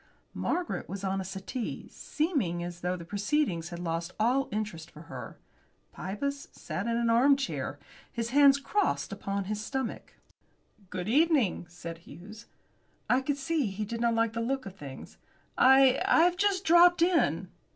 Margaret was on a settee, seeming as though the proceedings had lost all interest for her. Pybus sat in an arm chair, his hands crossed upon his stomach. "Good evening," said Hughes. I could see he did not like the look of things. "I I've just dropped in."